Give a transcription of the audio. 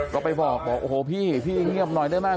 ก็ไปบอกบอกโอ้โหพี่พี่เงียบหน่อยได้ไหม